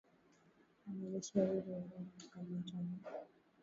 wanajeshi wawili wa Rwanda wamekamatwa na